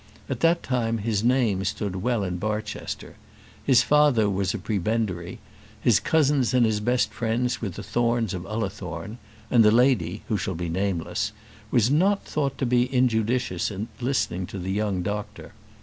At that time his name stood well in Barchester. His father was a prebendary; his cousins and his best friends were the Thornes of Ullathorne, and the lady, who shall be nameless, was not thought to be injudicious in listening to the young doctor.